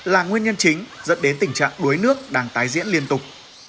là nguyên nhân chính dẫn đến tình trạng đuối nước đang tái diễn liên tục